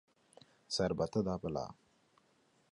ਸਰਬੱਤ ਦਾ ਭਲਾ